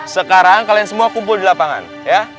sekarang kalian semua kumpul di lapangan ya